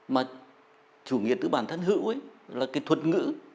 mà chủ nghĩa tư bản thân hữu là thuật ngữ